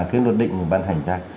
cái luật định bàn hành ra